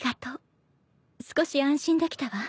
少し安心できたわ。